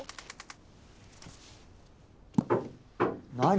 「何？